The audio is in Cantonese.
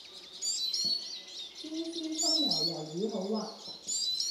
椒絲蔥油魷魚好滑